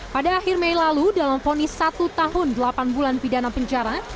pada akhir mei lalu dalam ponis satu tahun delapan bulan pidana penjara